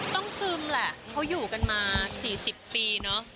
ต้องซึมแหละเขาอยู่กันมา๔๐ปี